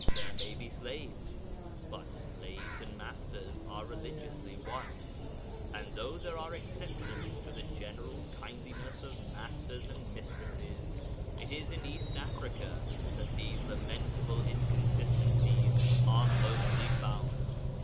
There may be slaves, but slaves and masters are religiously one, and though there are exceptions to the general kindliness of masters and mistresses, it is in East Africa that these lamentable inconsistencies are mostly found.